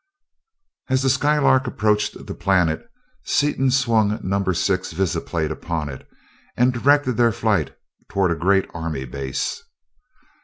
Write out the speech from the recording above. As the Skylark approached the planet, Seaton swung number six visiplate upon it, and directed their flight toward a great army base.